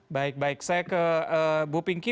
baik baik saya ke bu pinky